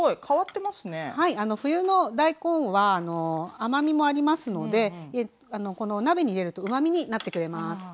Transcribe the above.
冬の大根は甘みもありますので鍋に入れるとうまみになってくれます。